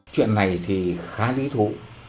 chuyện này thì khá lý thủ